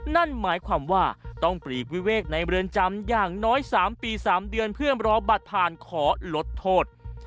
นั่นหมายความว่าต้องปลีกวิเวกในเรือนจำอย่างน้อย๓ปี๓เดือนเพื่อรอบัตรผ่านขอลดโทษ